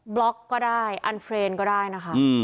บล็อกก็ได้อันเฟรนด์ก็ได้นะคะ